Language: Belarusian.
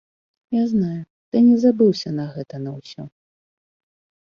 Я знаю, ты не забыўся на гэта на ўсё.